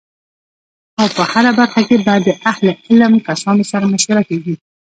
او په هره برخه کی به د اهل علم کسانو سره مشوره کیږی